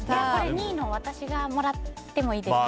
２位の私がもらってもいいですか。